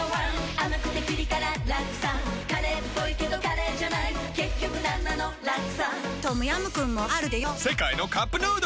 甘くてピリ辛ラクサカレーっぽいけどカレーじゃない結局なんなのラクサトムヤムクンもあるでヨ世界のカップヌードル